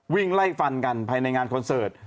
วิ่งไล่ฟันกันภายในงานคอนเสิร์ต